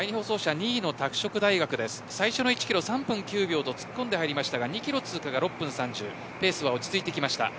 ２位の拓殖大です、最初の１キロを３分９秒と突っ込んで入りましたが２キロ通過が６分３０ペースは落ち着いてきました。